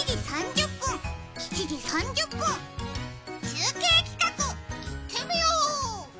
中継企画、いってみよう！